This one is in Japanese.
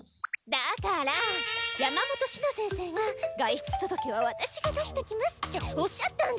だから山本シナ先生が「外出届はワタシが出しときます」っておっしゃったんですってば！